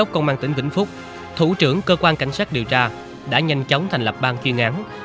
công an tỉnh vĩnh phúc thủ trưởng cơ quan cảnh sát điều tra đã nhanh chóng thành lập ban chuyên án